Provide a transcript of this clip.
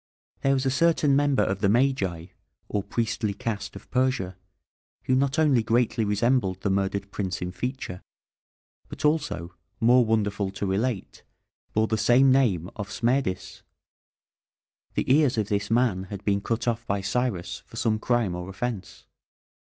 There was a certain member of the Magi, or priestly caste of Persia, who not only greatly resembled the murdered prince in feature, but also, more wonderful to relate, bore the same name of Smerdis. The ears of this man had been cut off by Cyrus for some crime or offence.